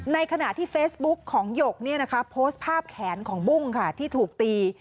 ในขณะที่เฟซบุ๊กของหยกโพสต์ภาพแขนของบุ้งค่ะที่ถูกตี